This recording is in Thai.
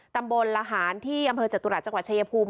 ตำบลละหารที่อำเภอจตุรัสจังหวัดชายภูมิ